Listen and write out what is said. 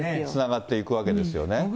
つながっていくわけですよね。